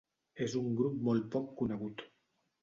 És un grup molt poc conegut.